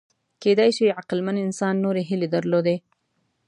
کېدای شي عقلمن انسان نورې هیلې درلودې.